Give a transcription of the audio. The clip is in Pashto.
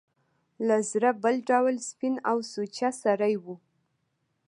له زړه بل ډول سپین او سوچه سړی و.